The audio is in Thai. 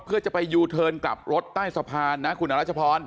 เพื่อจะไปยูเทิร์นกลับรถใต้สะพานนะคุณอรัชพร